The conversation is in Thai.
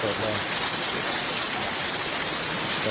เนี่ยตกไม่ตกเลยตกตกเลย